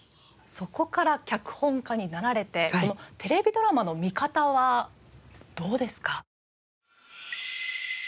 そこから脚本家になられてテレビドラマの観かたはどうですか？